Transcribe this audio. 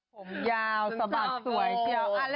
ผมยาวซับสมัครสวย